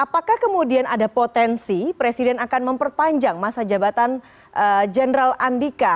apakah kemudian ada potensi presiden akan memperpanjang masa jabatan jenderal andika